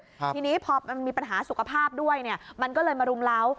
ทีนี้พอมันมีปัญหาสุขภาพด้วยเนี่ยมันก็เลยมารุมเล้า